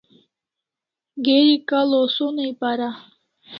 Geri k'la' o sonai para